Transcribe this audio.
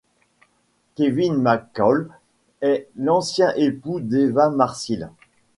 Kevin McCall est l'ancien époux d'Eva Marcille.